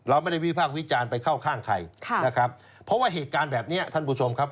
เราไม่ได้วิพากษ์วิจารณ์ไปเข้าข้างใครนะครับเพราะว่าเหตุการณ์แบบนี้ท่านผู้ชมครับ